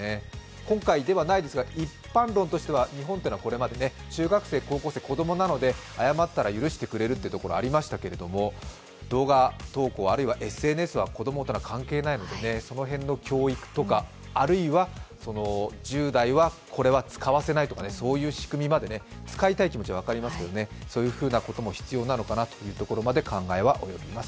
今回ではないですが一般論としては、日本っていうのはこれまで中学生、高校生子供なので謝ったら許してくれるところがありましたが動画投稿、あるいはＳＮＳは子供とは関係ないものでその辺の教育とかあるいは１０代はこれは使わせないとか、そういう仕組みとか、使いたい気持ちは分かりますけどもそういうふうなことも必要なのかなというところまで考えは及びます。